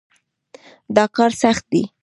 دا کار سخت دی.